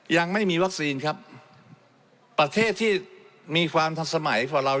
ยังไม่มีวัคซีนครับประเทศที่มีความทันสมัยกว่าเรา